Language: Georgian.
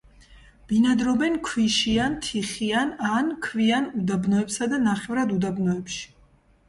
ბინადრობენ ქვიშიან, თიხიან ან ქვიან უდაბნოებსა და ნახევრად უდაბნოებში.